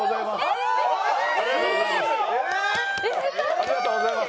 ありがとうございます。